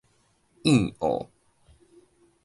喑噁